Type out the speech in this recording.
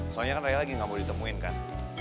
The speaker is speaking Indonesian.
soalnya kan raya lagi nggak mau ditemuin kan